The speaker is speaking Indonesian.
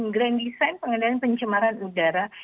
grand design pengendalian pencemaran udara